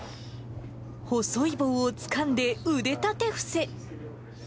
細い棒をつかんで腕立て伏せ。